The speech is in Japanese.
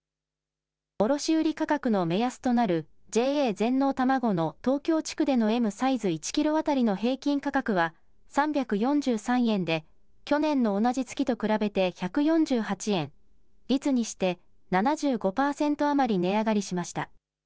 卸売り価格の目安となる、ＪＡ全農たまごの東京地区でのＭサイズ１キロ当たりの平均価格は３４３円で、去年の同じ月と比べて１４８円、率にして７５％余り値上がりしました。